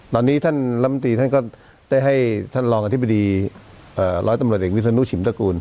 ตอนนี้ท่านลำตีท่านก็ได้ให้ท่านรองอธิบดีร้อยตำรวจเอกวิศนุชิมตระกูล